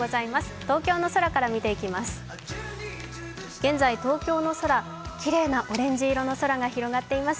東京の空から見ていきます。